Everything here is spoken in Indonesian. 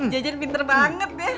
jejen pinter banget ya